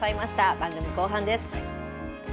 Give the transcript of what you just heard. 番組後半です。